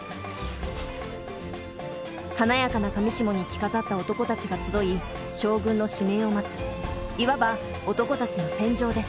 華やかな裃に着飾った男たちが集い将軍の指名を待ついわば男たちの戦場です。